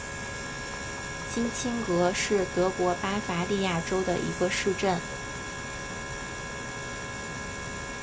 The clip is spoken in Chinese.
金钦格是德国巴伐利亚州的一个市镇。